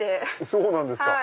そうなんですか。